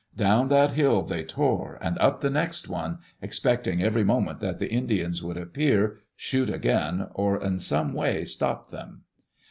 Down that hill they tore and up the next one, expecting every moment that the Indians would appear, shoot again, or in some way stop them.